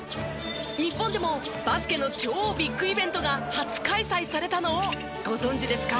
日本でもバスケの超ビッグイベントが初開催されたのをご存じですか？